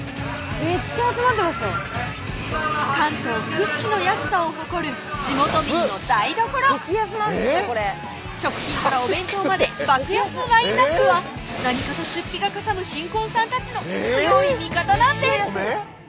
めっちゃ集まってますよ関東屈指の安さを誇る地元民の台所食品からお弁当まで爆安のラインナップは何かと出費がかさむ新婚さんたちの強い味方なんです